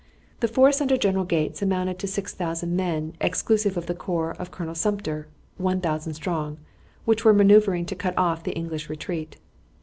The force under General Gates amounted to 6000 men, exclusive of the corps of Colonel Sumpter, 1000 strong, which were maneuvering to cut off the English retreat.